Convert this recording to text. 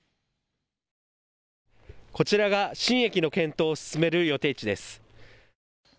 こちらが新駅の検討を進める予定地です。